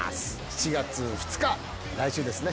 ７月２日来週ですね